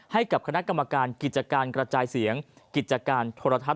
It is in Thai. ให้กับคณะกรรมการกิจการกระจายเสียงกิจการโทรทัศ